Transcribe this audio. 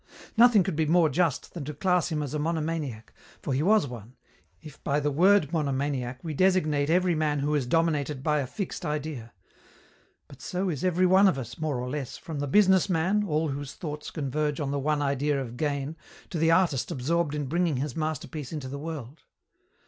Nothing could be more just than to class him as a monomaniac, for he was one, if by the word monomaniac we designate every man who is dominated by a fixed idea. But so is every one of us, more or less, from the business man, all whose thoughts converge on the one idea of gain, to the artist absorbed in bringing his masterpiece into the world.